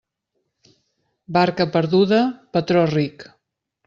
Barca perduda, patró ric.